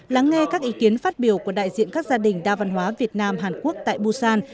lắng nghe các ý kiến phát biểu của đại diện các gia đình đa văn hóa việt nam hàn quốc tại busan